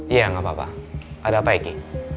ya nggak apa apa ada apa ya kiki